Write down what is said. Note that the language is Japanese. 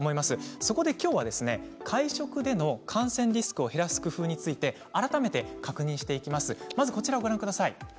そこできょうは会食での感染リスクを減らす工夫について改めて確認していきます。